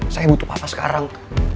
saya butuh papa sekarang